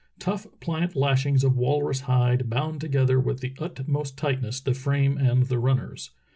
Tough, pliant lashings of walrus hide bound together with the utmost tightness the frame and the runners.